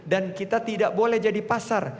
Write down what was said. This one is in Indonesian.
dan kita tidak boleh jadi pasar